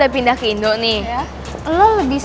aku akan cari jalan keluar